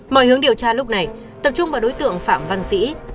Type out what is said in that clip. mọi hướng điều tra lúc này tập trung vào đối tượng phạm văn sĩ